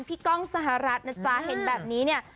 ก้องสหรัฐนะจ๊ะเห็นแบบนี้เนี่ย